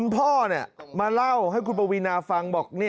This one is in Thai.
พ่อมาเล่าให้คุณปวีนาฟังบอก